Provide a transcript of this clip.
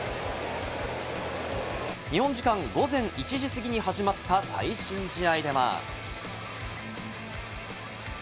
日本時間午前１時すぎに始まった最新試合では。